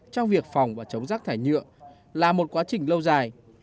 trong việc phòng và chống rác thải nhựa là một quá trình lâu dài